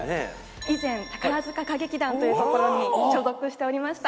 以前宝塚歌劇団というところに所属しておりました